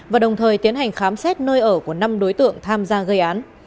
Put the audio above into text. và đồng thời tiến hành khám xét nơi ở của năm đối tượng tham gia gây án